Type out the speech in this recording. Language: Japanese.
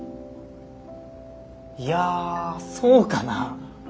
いやそうかなぁ？